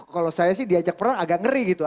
kalau saya sih diajak perang agak ngeri gitu